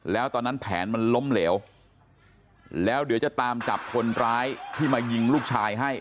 แล้วเดี๋ยวจะตามจับคนร้ายที่มายิงลูกชายให้